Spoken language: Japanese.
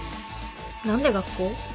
何で学校？